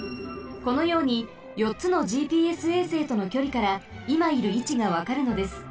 このようによっつのＧＰＳ衛星とのきょりからいまいるいちがわかるのです。